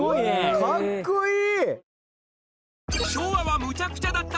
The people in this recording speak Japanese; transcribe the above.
かっこいい！